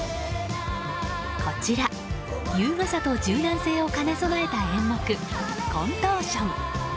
こちら、優雅さと柔軟性を兼ね備えた演目コントーション。